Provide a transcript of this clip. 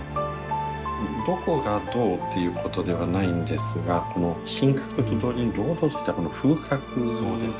どこがどうっていうことではないんですがこの品格と同時に堂々としたこの風格ですよねはい。